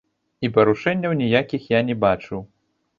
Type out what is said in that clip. І парушэнняў ніякіх я не бачыў.